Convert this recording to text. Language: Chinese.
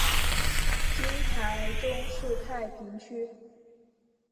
今台中市太平区。